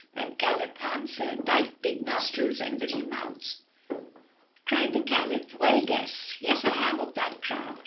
and Khalif answered, "Thy big nostrils and little mouth." Cried the Caliph, "Well guessed! Yes, I am of that craft."